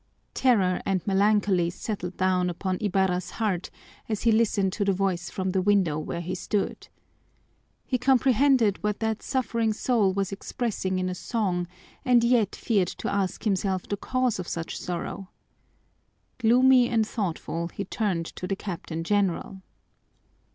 Terror and melancholy settled down upon Ibarra's heart as he listened to the voice from the window where he stood. He comprehended what that suffering soul was expressing in a song and yet feared to ask himself the cause of such sorrow. Gloomy and thoughtful, he turned to the Captain General.